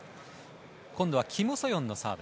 今度はキム・ソヨンのサーブ。